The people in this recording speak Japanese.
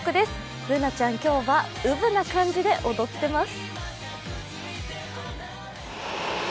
Ｂｏｏｎａちゃん、今日はウブな感じで踊ってます。